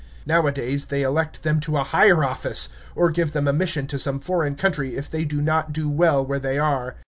Nowadays they elect them to a higher office, or give them a mission to some foreign country, if they do not do well where they are.